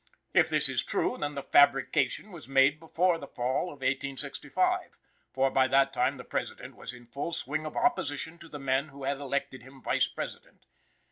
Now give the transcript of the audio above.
If this is true, then the "fabrication" was made before the fall of 1865, for by that time the President was in full swing of opposition to the men who had elected him Vice President.